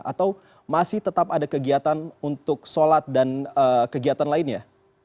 atau masih tetap ada kegiatan untuk sholat dan kegiatan lainnya